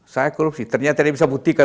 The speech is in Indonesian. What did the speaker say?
saya korupsi ternyata dia bisa buktikan